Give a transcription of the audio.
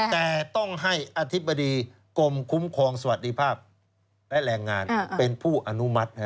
แต่ต้องให้อธิบดีกรมคุ้มครองสวัสดิภาพและแรงงานเป็นผู้อนุมัติ